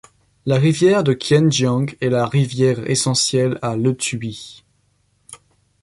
La rivière de Kiên Giang est la rivière essentielle à Lê Thuy.